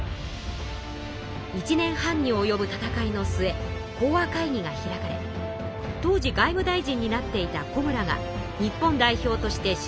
１年半におよぶ戦いの末講和会議が開かれ当時外務大臣になっていた小村が日本代表として出席しました。